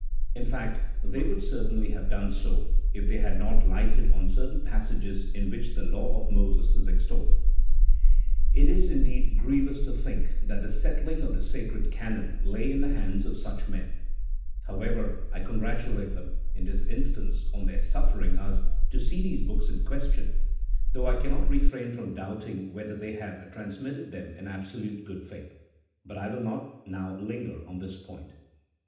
In fact, they would actually have done so, if they had not lighted on certain passages in which the law of Moses is extolled. It is, indeed, grievous to think that the settling of the sacred canon lay in the hands of such men; however, I congratulate them, in this instance, on their suffering us to see these books in question, though I cannot refrain from doubting whether they have trans mitted them in absolute good faith; but I will not now linger on this point.